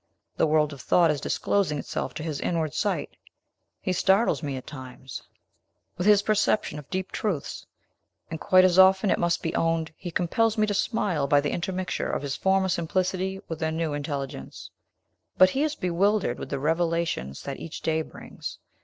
The world of thought is disclosing itself to his inward sight. He startles me, at times, with his perception of deep truths; and, quite as often, it must be owned, he compels me to smile by the intermixture of his former simplicity with a new intelligence. But he is bewildered with the revelations that each day brings.